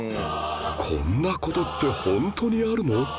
こんな事ってホントにあるの？